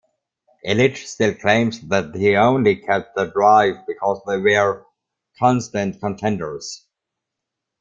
Ilitch still claims that he only kept the Drive because they were constant contenders.